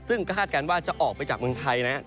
ซึ่งก็คาดการณ์ว่าจะออกไปจากเมืองไทยนะครับ